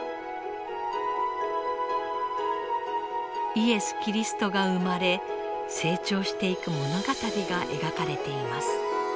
イエス・キリストが生まれ成長していく物語が描かれています。